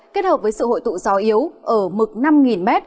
kết hợp với sự hội tụ gió yếu ở mực năm m